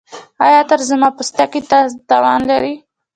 ایا عطر زما پوستکي ته تاوان لري؟